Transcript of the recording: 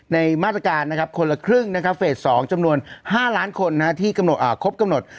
ในมาตรการคนละครึ่งนะครับเฟส๒จำนวน๕ล้านคนที่ครบกำหนด